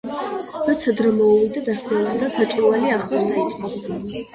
როცა დრო მოუვიდა, დასნეულდა და საჭურველი ახლოს დაიწყო.